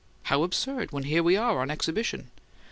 "How absurd, when here we are on exhibition!"